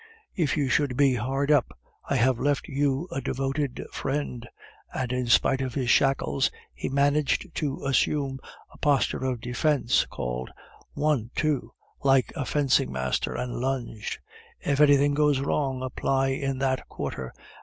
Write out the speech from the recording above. "If you should be hard up, I have left you a devoted friend," and, in spite of his shackles, he managed to assume a posture of defence, called, "One, two!" like a fencing master, and lunged. "If anything goes wrong, apply in that quarter.